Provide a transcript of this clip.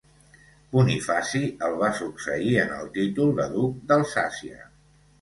Bonifaci el va succeir en el títol de duc d'Alsàcia.